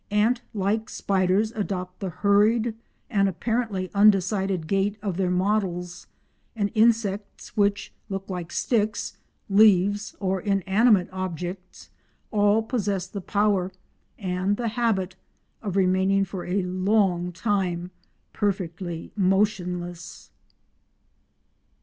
Ant like spiders adopt the hurried and apparently undecided gait of their models, and insects which look like sticks, leaves, or inanimate objects all possess the power—and the habit—of remaining for a long time perfectly motionless.